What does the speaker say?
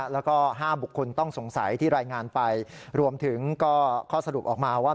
แล้วก็๕บุคคลต้องสงสัยที่รายงานไปรวมถึงก็ข้อสรุปออกมาว่า